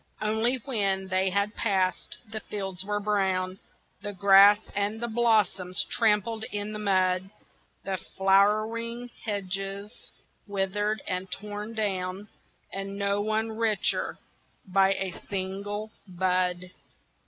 Only when they had passed, the fields were brown, The grass and blossoms trampled in the mud: The flowering hedges withered and torn down, And no one richer by a single bud.